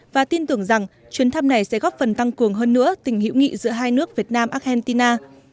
và tin tưởng rằng chuyến thăm này sẽ góp phần tăng cường hơn nữa tình hữu nghị giữa hai nước việt nam argentina